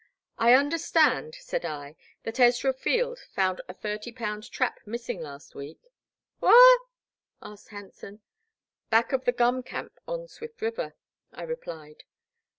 *'I understand," said I, "that Ezra Field found a thirty pound trap missing last week." Whar ?" asked Hanson. Back of the gum camp on Swift River," I replied.